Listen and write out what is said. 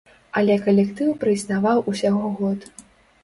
Але калектыў праіснаваў усяго год.